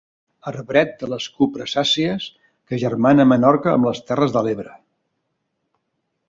Arbret de les cupressàcies que agermana Menorca amb les Terres de l'Ebre.